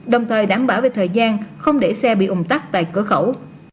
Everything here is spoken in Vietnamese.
đồng thời đảm bảo về thời gian không để xe bị ủng tắc tại cửa khẩu